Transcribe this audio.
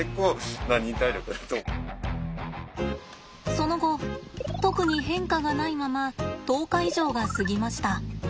その後特に変化がないまま１０日以上が過ぎました。